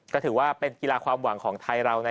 ก็ถือว่าเป็นกีฬาความหวังของไทยเรา